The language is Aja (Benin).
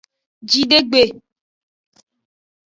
Jidegbe.